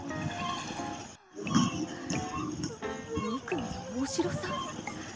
２組の大城さん？